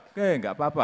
oke enggak apa apa